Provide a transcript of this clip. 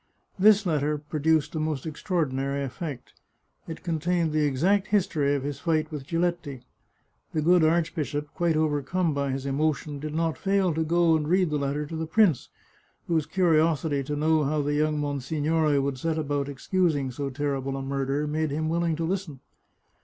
This letter pro duced a most extraordinary effect. It contained the exact history of his fight with Giletti. The good archbishop, quite overcome by his emotion, did not fail to go and read the letter to the prince, whose curiosity to know how the young monsignore would set about excusing so terrible a murder made him willing to listen.